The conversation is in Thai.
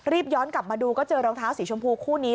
ย้อนกลับมาดูก็เจอรองเท้าสีชมพูคู่นี้